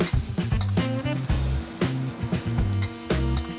เอาละครับ